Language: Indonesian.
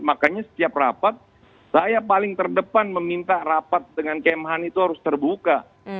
makanya setiap rapat saya paling terdepan meminta rapat dengan kemhan itu harus terbuka